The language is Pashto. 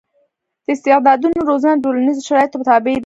د استعدادونو روزنه د ټولنیزو شرایطو تابع ده.